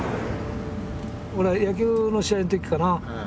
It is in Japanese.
俺が野球の試合の時かな。